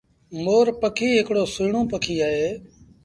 مور پکي هڪڙو سُهيٚڻون پکي اهي۔